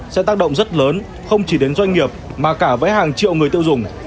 sẽ tác động rất lớn không chỉ đến doanh nghiệp mà cả với hàng triệu người tiêu dùng